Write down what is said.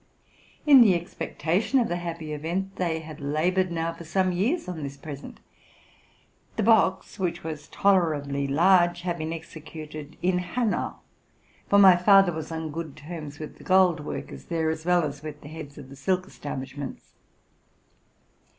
In the expectation of the happy event, they had labored now for some years on this present. The box, which was tolerably large, had been executed in Hanau; for my father was on good terms with the gold workers there, as well as with the heads of the silk establishments.